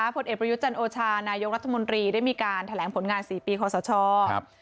ผลเอกประยุทธ์จันโอชานายกรัฐมนตรีได้มีการแถลงผลงาน๔ปีคอสช